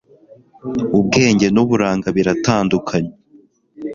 ubwenge n'uburanga biratandukanye